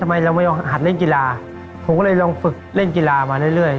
ทำไมเราไม่หัดเล่นกีฬาผมก็เลยลองฝึกเล่นกีฬามาเรื่อย